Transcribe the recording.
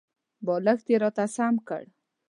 بالښت یې راته سم کړ .